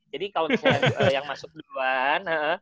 jadi kalau misalnya yang masuk duluan